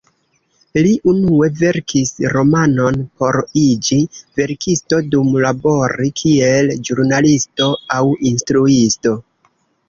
Li unue verkis romanon por iĝi verkisto dum labori kiel ĵurnalisto aŭ instruisto.